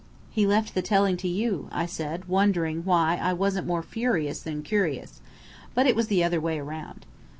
"He left the telling to you," I said, wondering why I wasn't more furious than curious. But it was the other way round.